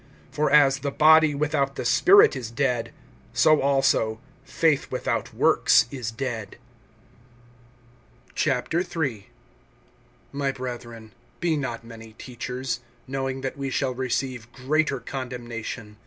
(26)For as the body without the spirit is dead, so also faith without works is dead. III. MY brethren, be not many teachers, knowing that we shall receive greater condemnation.